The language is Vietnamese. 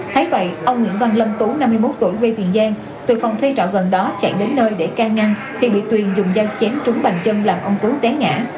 thấy vậy ông nguyễn văn lâm tú năm mươi một tuổi quê tiền giang từ phòng thuê trọ gần đó chạy đến nơi để ca ngăn thì bị tuyền dùng dao chém trúng bàn chân làm ông tuấn té ngã